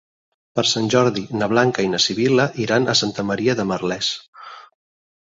Per Sant Jordi na Blanca i na Sibil·la iran a Santa Maria de Merlès.